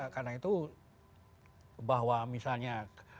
karena itu bahwa misalnya